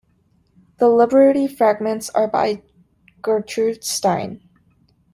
The libretti-fragments are by Gertrude Stein.